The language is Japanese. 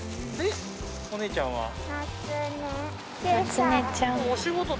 でお姉ちゃんは？